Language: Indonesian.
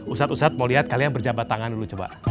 ustadz ustadz mau lihat kalian berjabat tangan dulu coba